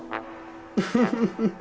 ウフフフフ。